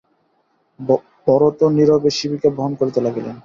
ভরতও নীরবে শিবিকা বহন করিতে লাগিলেন।